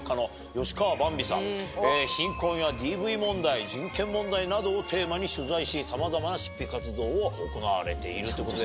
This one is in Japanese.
貧困やＤＶ問題人権問題などをテーマに取材しさまざまな執筆活動を行われているということで。